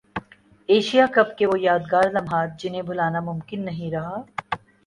Asia cup کے وہ یادگار لمحات جنہیں بھلانا ممکن نہیں رہا